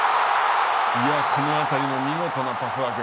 この辺りも見事なパスワーク。